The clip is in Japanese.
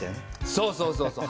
そうそうそうそう。